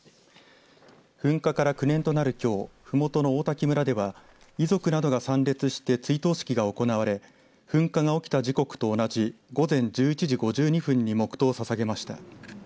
噴火から９年となるきょうふもとの王滝村では遺族などが参列して追悼式が行われ噴火が起きた時刻と同じ午前１１時５２分に黙とうをささげました。